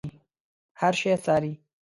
هر شی څاري.